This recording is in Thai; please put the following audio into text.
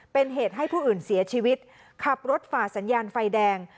เป็นเหตุให้ผู้อื่นเสียชีวิตขับรถฝ่าสัญญาณไฟแดง